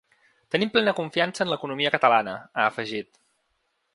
Tenim plena confiança en l’economia catalana, ha afegit.